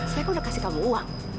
saya kan udah kasih kamu uang